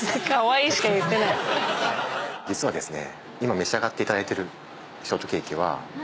実はですね。